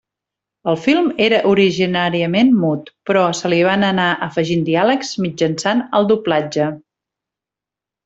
El film era originàriament mut, però se li van anar afegint diàlegs mitjançant el doblatge.